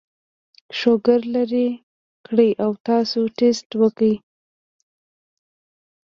شوګر لر کړي او تاسو ټېسټ وکړئ